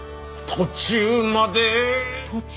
途中まで？